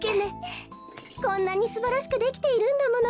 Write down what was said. こんなにすばらしくできているんだもの。